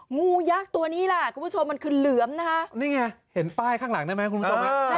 งูยักษ์ตัวนี้ล่ะคุณผู้ชมมันคือเหลือมนะคะนี่ไงเห็นป้ายข้างหลังได้ไหมคุณผู้ชมฮะ